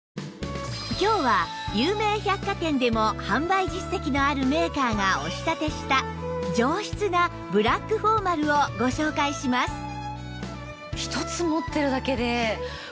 今日は有名百貨店でも販売実績のあるメーカーがお仕立てした上質なブラックフォーマルをご紹介します